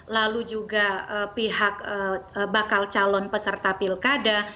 lalu juga pihak bakal calon peserta pilkada